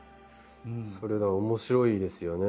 それが面白いですよね。